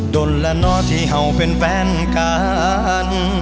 ดดลานนะที่เขาเป็นแฟนกัน